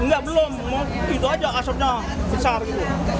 nggak belum itu aja asapnya besar gitu